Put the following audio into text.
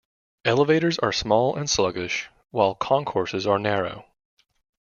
Elevators are small and sluggish while concourses are narrow.